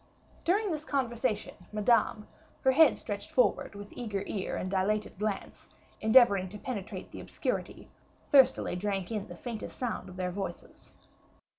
During this conversation, Madame, her head stretched forward with eager ear and dilated glance, endeavoring to penetrate the obscurity, thirstily drank in the faintest sound of their voices.